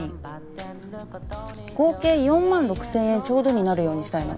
合計４万６０００円ちょうどになるようにしたいの。